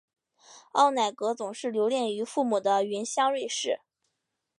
奥乃格总是留恋于父母的原乡瑞士。